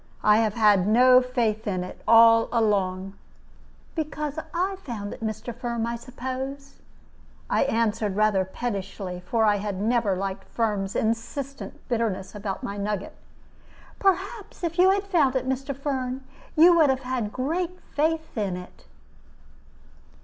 I have had no faith in it all along." "Because I found it, Mr. Firm, I suppose," I answered, rather pettishly, for I never had liked Firm's incessant bitterness about my nugget. "Perhaps if you had found it, Mr. Firm, you would have had great faith in it."